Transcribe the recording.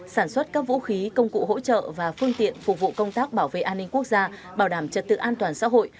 sản xuất các vũ khí công cụ hỗ trợ và phương tiện phục vụ công tác bảo vệ an ninh quốc gia bảo đảm trật tự an toàn xã hội